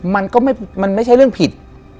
มันก็มันไม่ใช่เรื่องผิด